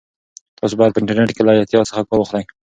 تاسو باید په انټرنیټ کې له احتیاط څخه کار واخلئ.